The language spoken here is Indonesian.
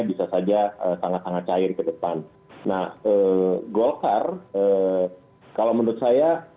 bisa saja sangat sangat cair ke depan nah golkar kalau menurut saya